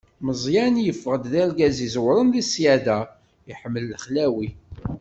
Meẓyan yeffeɣ-d d argaz iẓewren di ṣṣyada, iḥemmel lexlawi.